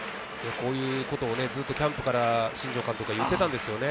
こういうことをずっとキャンプから新庄監督が言ってたんですよね。